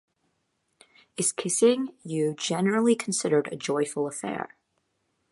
Is kissing you generally considered a joyful affair?